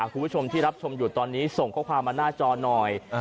คุณผู้ชมที่รับชมอยู่ตอนนี้ส่งข้อความมาหน้าจอหน่อย